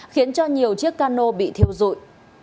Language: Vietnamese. khiến cho nhiều chiếc cano bị thiêu rụi